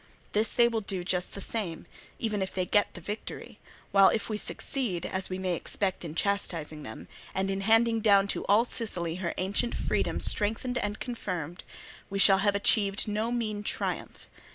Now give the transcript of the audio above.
This they will do just the same, even if they get the victory; while if we succeed, as we may expect, in chastising them, and in handing down to all Sicily her ancient freedom strengthened and confirmed, we shall have achieved no mean triumph.